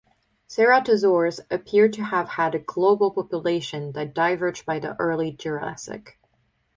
Ceratosaurs appeared to have had a global population that diverged by the early Jurassic.